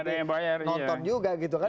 nonton juga gitu kan